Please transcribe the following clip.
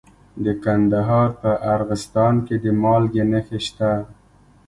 د کندهار په ارغستان کې د مالګې نښې شته.